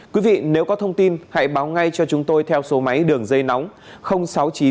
quý vị nếu có thông tin hãy báo ngay cho chúng tôi theo số máy đường dây nóng